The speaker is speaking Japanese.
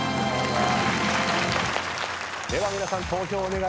では皆さん投票をお願いします。